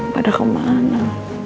padahal kamu mana